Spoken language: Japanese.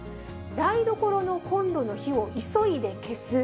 台所のコンロの火を急いで消す。